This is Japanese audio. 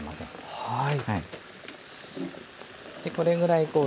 はい。